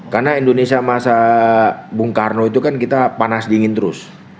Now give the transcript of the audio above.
karena indonesia masa bung karno itu kan kita panas dingin terus